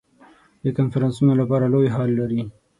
د کنفرانسونو لپاره لوی هال لري.